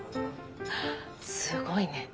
すごいね。